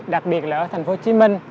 đặc biệt là ở thành phố hồ chí minh